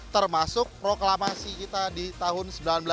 termasuk proklamasi kita di tahun seribu sembilan ratus empat puluh